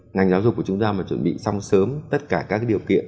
ngành giáo dục của chúng ta phải chuẩn bị xong sớm tất cả các điều kiện